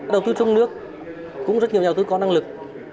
đầu tư trong nước cũng rất nhiều nhà đầu tư có năng lực